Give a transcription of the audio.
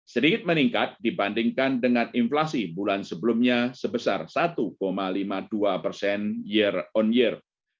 sedikit meningkat dibandingkan dengan inflasi bulan sebelumnya sebesar satu lima puluh dua persen year on year